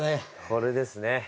これですね。